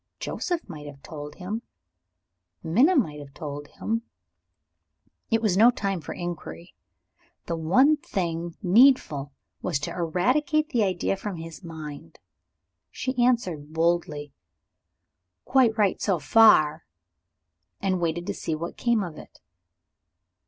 Joseph might have told him; Minna might have told him. It was no time for inquiry; the one thing needful was to eradicate the idea from his mind. She answered boldly, "Quite right, so far" and waited to see what came of it.)